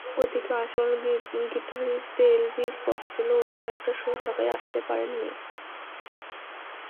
ওদিকে আসল guitarist Elvis Costello অন্য একটা শো থাকায় আসতে পারেননি।